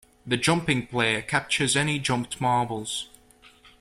The jumping player captures any jumped marbles.